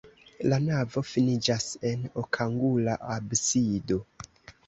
La navo finiĝas en okangula absido.